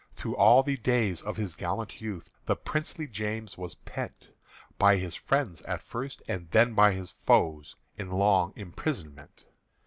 Through all the days of his gallant youth The princely James was pent, By his friends at first and then by his foes, In long imprisonment.